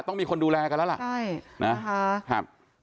ต้องมีคนดูแลกันแล้วล่ะใช่นะคะครับ